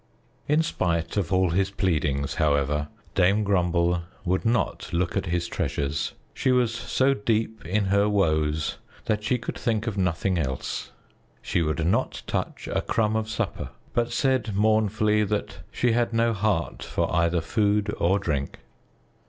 In spite of all his pleadings, however, Dame Grumble would not look at his treasures. She was so deep in her woes that she could think of nothing else. She would not touch a crumb of supper but said mournfully that she had no heart for either food or drink.